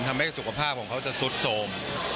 ทำให้สุขภาพของเขาจะซุดโสม